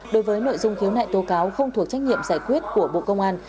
đối với nội dung khiếu nại tố cáo không thuộc trách nhiệm giải quyết của bộ công an